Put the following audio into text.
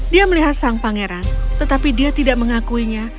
dia melihat sang pangeran tetapi dia tidak mengakuinya